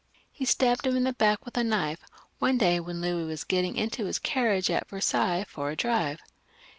He stabbed him in the back with a knife, one day when Louis was getting into his carriage at Versailles for a drive.